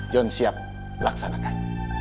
john siap laksanakan